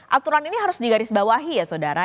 aturan ini harus digarisbawahi ya saudara